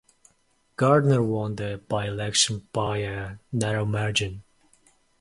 Gardner won the by-election by a narrow margin.